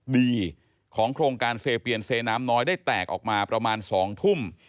ดีของโครงการเซเปียนเซน้ำน้อยได้แตกออกมาประมาณ๒ทุ่ม